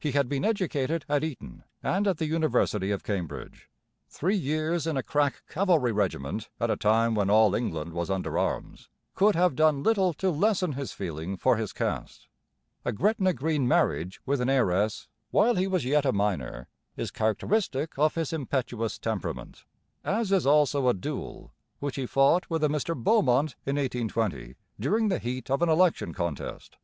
He had been educated at Eton and at the university of Cambridge. Three years in a crack cavalry regiment at a time when all England was under arms could have done little to lessen his feeling for his caste. A Gretna Green marriage with an heiress, while he was yet a minor, is characteristic of his impetuous temperament, as is also a duel which he fought with a Mr Beaumont in 1820 during the heat of an election contest.